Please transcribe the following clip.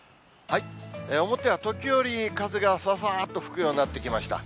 表は時折、風がふわふわっと吹くようになってきました。